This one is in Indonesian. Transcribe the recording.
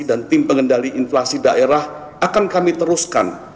dan tim pengendali inflasi daerah akan kami teruskan